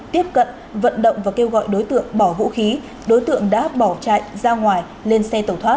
tiếp cận vận động và kêu gọi đối tượng bỏ vũ khí đối tượng đã bỏ chạy ra ngoài lên xe tẩu thoát